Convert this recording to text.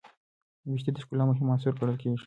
ویښتې د ښکلا مهم عنصر ګڼل کېږي.